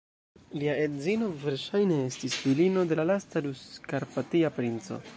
Lia edzino, verŝajne, estis filino de lasta Rus-karpatia princo.